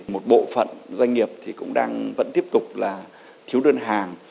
một bộ phận doanh nghiệp vẫn tiếp tục thiếu đơn hàng